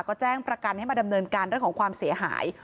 ก็แจ้งประกันให้มาดำเนินการเรื่องของความเสียหาย